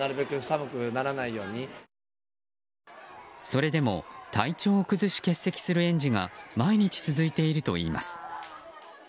それでも、体調を崩し欠席をする園児が毎日続いているといいます。